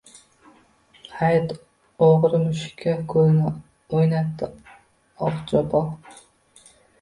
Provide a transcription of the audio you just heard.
– Hayt! – o‘g‘ri mushukka ko‘zini o‘ynatdi Oqchopon